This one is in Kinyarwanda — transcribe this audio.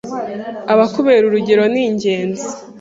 abakubera urugero ni ingenzi